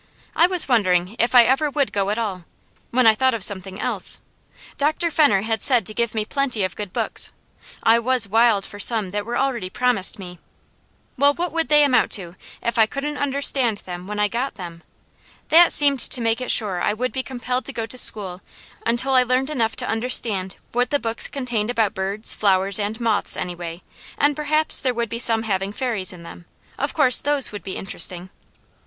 I was wondering if I ever would go at all, when I thought of something else. Dr. Fenner had said to give me plenty of good books. I was wild for some that were already promised me. Well, what would they amount to if I couldn't understand them when I got them? THAT seemed to make it sure I would be compelled to go to school until I learned enough to understand what the books contained about birds, flowers, and moths, anyway; and perhaps there would be some having Fairies in them. Of course those would be interesting.